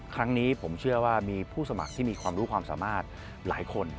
ครั้งนี้ผมเชื่อว่ามีผู้สมัครที่มีความรู้ความสามารถหลายคน